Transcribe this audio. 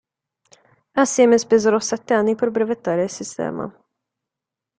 Assieme spesero sette anni per brevettare il sistema.